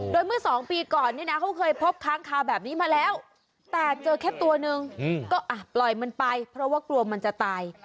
โดยเมื่อ๒ปีก่อนเนี่ยนะเขาเคยพบค้างคาแบบนี้มาแล้วแต่เจอแค่ตัวนึงก็ปล่อยมันไปเพราะว่ากลัวมันจะตาย